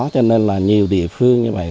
cho nên là nhiều địa phương như vậy